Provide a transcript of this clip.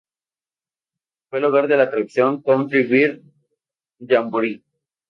Fue el hogar de la atracción Country Bear Jamboree.